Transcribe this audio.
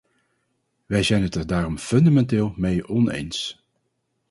We zijn het er daarom fundamenteel mee oneens.